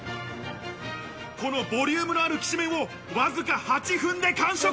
このボリュームのあるきしめんを、わずか８分で完食。